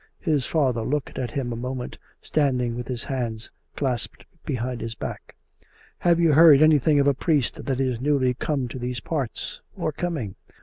His father looked at him a moment, standing with his hands clasped behind his back. " Have you heard anything of a priest that is newly come to these parts — or coming?